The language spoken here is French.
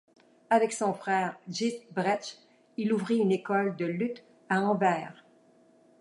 Avec son frère Gysbrecht, il ouvrit une école de luth à Anvers.